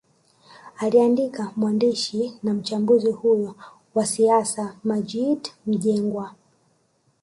Aliandika mwandishi na mchambuzi huyo wa siasa Maggid Mjengwa